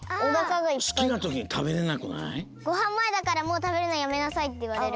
「ごはんまえだからもうたべるのやめなさい」っていわれる。